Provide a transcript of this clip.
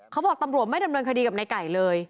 เขาบอกตำรวจไม่ดำเนินคดีกับในไก่เลย